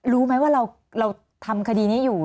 รู้ไหมว่าเราทำคดีนี้อยู่